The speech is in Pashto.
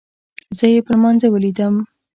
زه يې په لمانځه وليدم.